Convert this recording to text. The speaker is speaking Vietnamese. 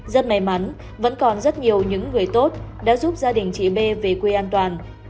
rất may mắn vẫn còn rất nhiều những người tốt đã giúp gia đình chị bê về quê an toàn